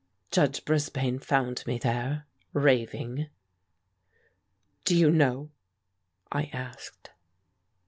Judge Brisbane found me there, raving. "Do you know?" I asked.